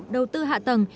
đầu tư hạ tầng